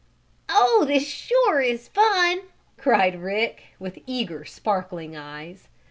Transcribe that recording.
"Oh, this sure is fun!" cried Rick, with eager, sparkling eyes.